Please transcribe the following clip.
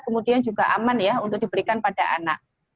kemudian juga aman ya untuk diberikan pada anak